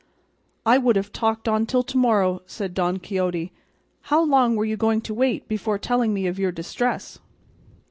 "I would have talked on till to morrow," said Don Quixote; "how long were you going to wait before telling me of your distress?"